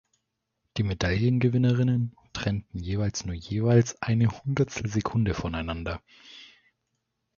Die Medaillengewinnerinnen trennten jeweils nur jeweils eine Hundertstelsekunde voneinander.